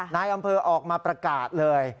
นายอำเภอออกมาประกาศเลย